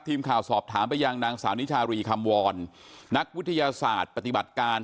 ทีมข่าวสอบถามไปยังนางสาวนิชารีคำวรนักวิทยาศาสตร์ปฏิบัติการ